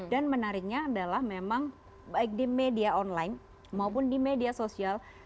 dan menariknya adalah memang baik di media online maupun di media sosial